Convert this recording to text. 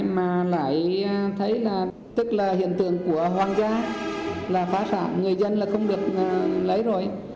mà lại thấy là tức là hiện tượng của hoàng gia là phá sản người dân là không được lấy rồi